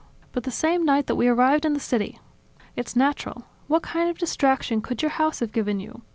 But the same night that we arrived in the city ..." "It's natural. What kind of distraction could your house have given you?